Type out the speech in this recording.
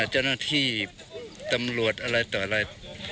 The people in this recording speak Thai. เจ้าหน้าที่ตำรวจอะไรต่ออะไร